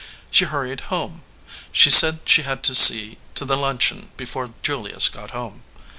She hurried home. She said she had to see to the luncheon before Julius got home.